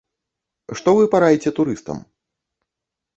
Што вы параіце турыстам?